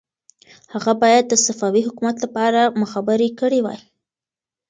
هغه باید د صفوي حکومت لپاره مخبري کړې وای.